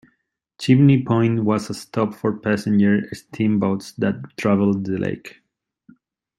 Chimney Point was a stop for passenger steamboats that traveled the lake.